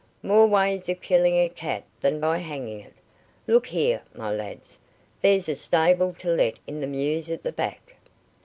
"More ways of killing a cat than by hanging it. Look here, my lads, there's a stable to let in the mews at the back."